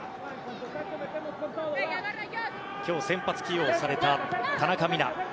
今日、先発起用された田中美南。